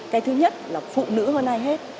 cái thứ nhất là phụ nữ hơn ai hết